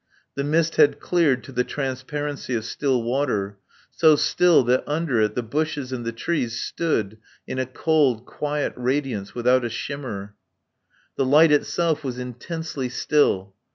The mist had cleared to the transparency of still water, so still that under it the bushes and the trees stood in a cold, quiet radiance without a shimmer. The light itself was intensely still.